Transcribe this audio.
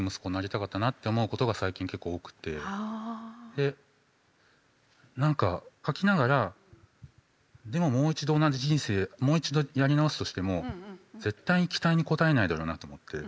で何か書きながらでももう一度同じ人生もう一度やり直すとしても絶対に期待に応えないだろうなと思って。